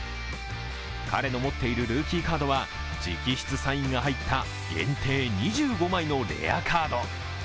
彼の持っているルーキーカードは、直筆サインが入った限定２５枚のレアカード。